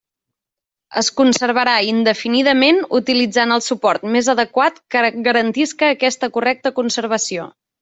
Es conservarà indefinidament utilitzant el suport més adequat que garantisca aquesta correcta conservació.